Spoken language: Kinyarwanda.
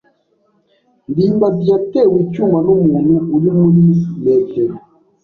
ndimbati yatewe icyuma n'umuntu uri muri metero.